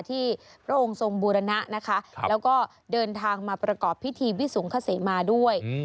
พระองค์ทรงบูรณะนะคะแล้วก็เดินทางมาประกอบพิธีวิสงคเสมาด้วย